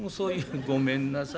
ごめんなさいね。